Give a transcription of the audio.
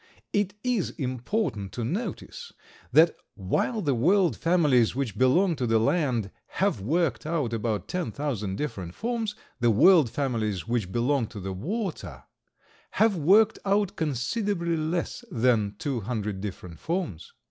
It is important to notice that while the world families which belong to the land have worked out about ten thousand different forms, the world families which belong to the water have worked out considerably less than two hundred different forms.